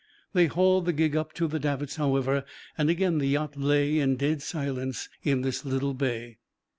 They hauled the gig up to the davits, however, and again the yacht lay in dead silence in this little bay.